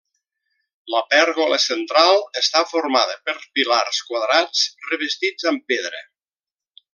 La pèrgola central està formada per pilars quadrats revestits amb pedra.